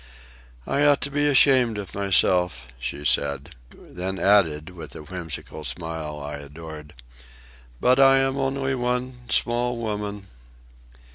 "I ought to be ashamed of myself," she said. Then added, with the whimsical smile I adored, "but I am only one, small woman."